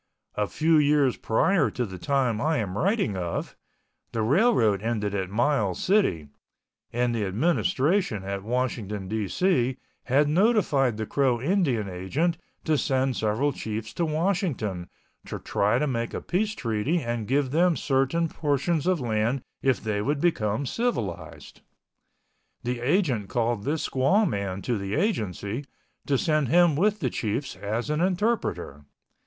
A few years prior to the time I am writing of, the railroad ended at Miles City, and the administration at Washington, D.C., had notified the Crow Indian agent to send several chiefs to Washington to try to make a peace treaty and give them certain portions of land if they would become civilized. The agent called this squaw man to the Agency to send him with the chiefs as an interpreter.